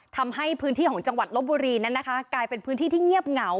ทำให้พื้นที่ของจังหวัดลบบุรีนั้นนะคะกลายเป็นพื้นที่ที่เงียบเหงา